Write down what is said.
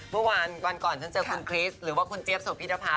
เมื่อวานวันก่อนฉันเจอคุณคริสหรือว่าคุณเจี๊ยบสุพิธภา